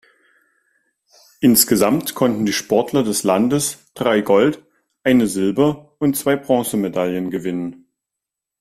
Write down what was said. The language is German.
Insgesamt konnten die Sportler des Landes drei Gold-, eine Silber- und zwei Bronzemedaille gewinnen.